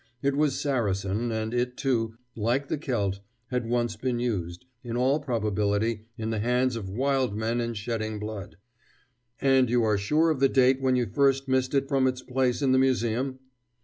It was Saracen, and it, too, like the celt, had once been used, in all probability, in the hands of wild men in shedding blood. "And you are sure of the date when you first missed it from its place in the museum?"